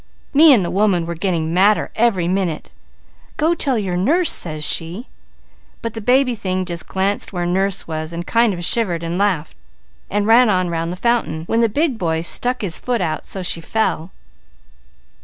"Me and the woman were getting madder every minute. 'Go tell your nurse,' says she. But the baby thing just glanced where nurse was and kind of shivered and laughed, and ran on round the fountain, when the big boy stuck his foot out so she fell.